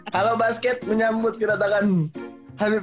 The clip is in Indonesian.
halo basket menyambut kedatangan habib